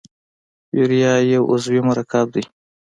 یوریا یو عضوي مرکب دی.